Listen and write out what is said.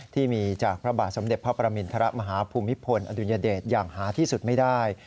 ที่มีจากพระบาทสมเด็จพระประมินทรมาฮภูมิพลอดุญเดชอย่างหาที่สุดไม่ได้